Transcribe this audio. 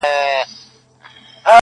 وبېرېدم.